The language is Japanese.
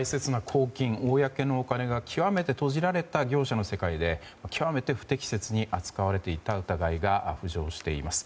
公のお金が極めて閉じられた業者の世界で極めて不適切に扱われていた疑いが浮上しています。